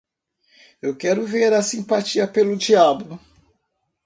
Eu quero ver a simpatia pelo diabo